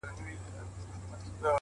درد بايد درک کړل سي تل